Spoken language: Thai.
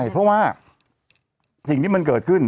เพราะว่าสิ่งที่มันเกิดขึ้น